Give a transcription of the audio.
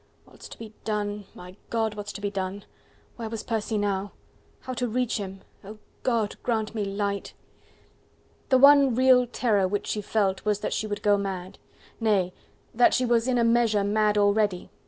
"What's to be done? My God? what's to be done?" Where was Percy now? "How to reach him!... Oh, God! grant me light!" The one real terror which she felt was that she would go mad. Nay! that she was in a measure mad already.